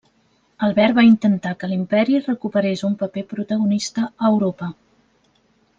Albert va intentar que l'Imperi recuperés un paper protagonista a Europa.